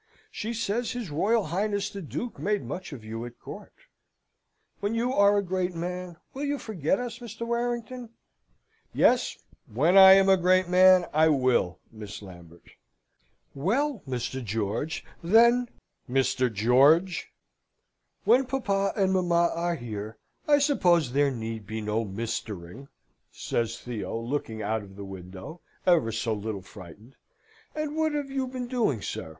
She says his Royal Highness the Duke made much of you at court. When you are a great man will you forget us, Mr. Warrington?" "Yes, when I am a great man I will, Miss Lambert." "Well! Mr. George, then "" Mr. George!" "When papa and mamma are here, I suppose there need be no mistering," says Theo, looking out of the window, ever so little frightened. "And what have you been doing, sir?